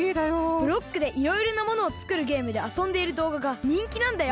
ブロックでいろいろなものをつくるゲームであそんでいるどうががにんきなんだよ！